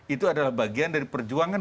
itu adalah bagian dari perjuangan